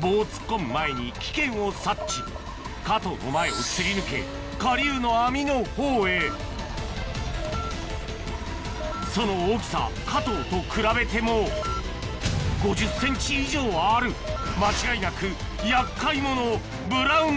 棒を突っ込む前に危険を察知加藤の前を擦り抜け下流の網の方へその大きさ加藤と比べても間違いなく厄介者ブラウン